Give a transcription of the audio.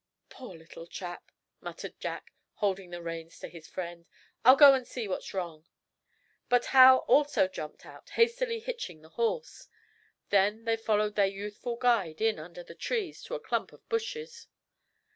"Poor little chap!" muttered Jack, handing the reins to his friend. "I'll go in and see what's wrong." But Hal also jumped out, hastily hitching the horse. Then they followed their youthful guide in under the trees, to a clump of bushes.